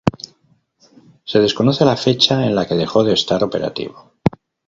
Se desconoce la fecha en la que dejó de estar operativo.